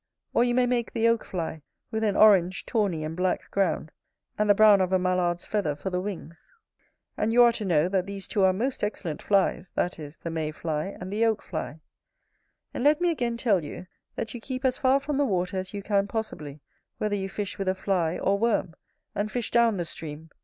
Or you may make the Oak fly: with an orange, tawny, and black ground; and the brown of a mallard's feather for the wings. And you are to know, that these two are most excellent flies, that is, the May fly and the Oak fly. And let me again tell you, that you keep as far from the water as you can possibly, whether you fish with a fly or worm; and fish down the stream.